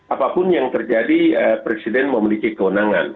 apapun yang terjadi presiden memiliki kewenangan